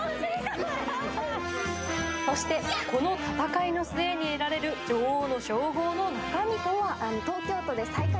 そして、この戦いの末に得られる女王の称号の中身とは。